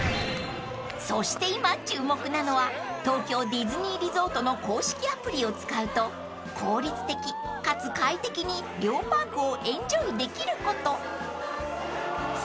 ［そして今注目なのは東京ディズニーリゾートの公式アプリを使うと効率的かつ快適に両パークをエンジョイできること］